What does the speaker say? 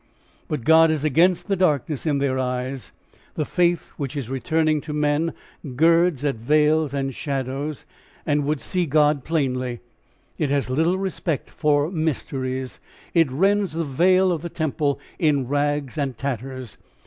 But God is against the darkness in their eyes. The faith which is returning to men girds at veils and shadows, and would see God plainly. It has little respect for mysteries. It rends the veil of the temple in rags and tatters.